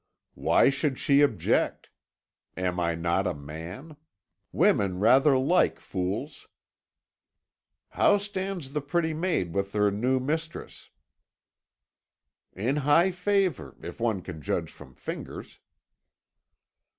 "Why should she object? Am I not a man? Women rather like fools." "How stands the pretty maid with her new mistress?" "In high favour, if one can judge from fingers."